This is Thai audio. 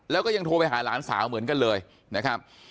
แล้วก็ยังโทรไปหาหลานสาวเหมือนกันเลยนะครับ